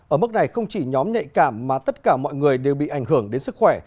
ở mức này không chỉ nhóm nhạy cảm mà tất cả mọi người đều bị ảnh hưởng đến sức khỏe